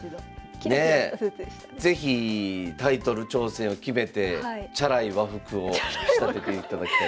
是非タイトル挑戦を決めてチャラい和服を仕立てていただきたいと思います。